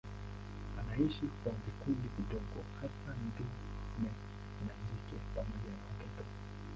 Anaishi kwa vikundi vidogo hasa dume na jike pamoja na watoto.